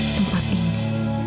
di tempat ini